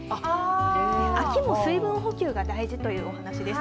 秋も水分補給が大事というお話です。